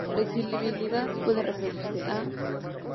Flexibilidad puede referirse a:.